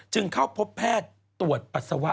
เข้าพบแพทย์ตรวจปัสสาวะ